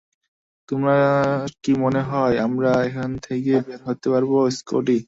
তোমার কি মনে হয় আমরা এখান থেকে বের হতে পারবো, স্কটি?